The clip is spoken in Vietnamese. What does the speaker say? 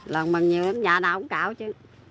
lần mặc nhiều lắm nhà nào cũng cạo chứ